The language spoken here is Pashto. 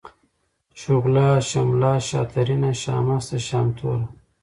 شغله ، شمله ، شاترينه ، شامسته ، شامتوره ،